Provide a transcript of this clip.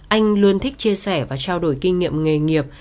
anh luôn thích chia sẻ và trao đổi kinh nghiệm nghề nghiệp